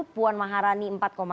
puan maharani empat satu